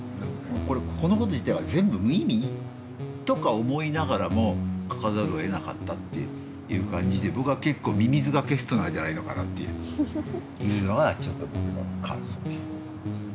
このこと自体は全部無意味？とか思いながらも書かざるをえなかったっていう感じで僕は結構ミミズがケストナーじゃないのかなっていうのはちょっと僕の感想でしたね。